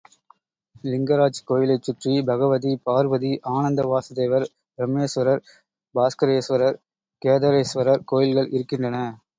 லிங்கராஜ் கோயிலைச் சுற்றி பகவதி, பார்வதி, ஆனந்த வாசுதேவர், பிரம்மேஸ்வர், பாஸ்கரேஸ்வரர், கேதர்ரேஸ்வரர் கோயில்கள் இருக்கின்றன.